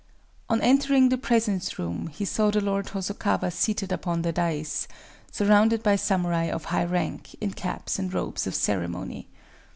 On entering the presence room he saw the Lord Hosokawa seated upon the dais, surrounded by samurai of high rank, in caps and robes of ceremony.